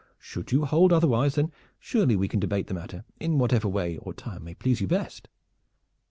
Should you hold otherwise, then surely we can debate the matter in whatever way or time may please you best."